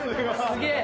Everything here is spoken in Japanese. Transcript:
すげえ！